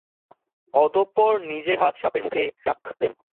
অতঃপর নিজের হাত সাপের মুখে রাখলেন।